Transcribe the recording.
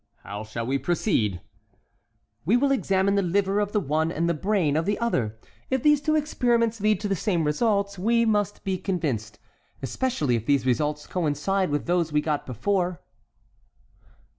"How shall we proceed?" "We will examine the liver of the one and the brain of the other. If these two experiments lead to the same result we must be convinced, especially if these results coincide with those we got before."